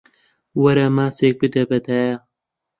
وەرە ماچێک بدە بە دایە.